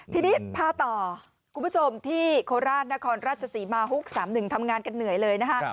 ทีนี้พาต่อคุณผู้ชมที่โคราชนครราชศรีมาฮุก๓๑ทำงานกันเหนื่อยเลยนะคะ